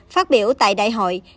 phát biểu tại đại hội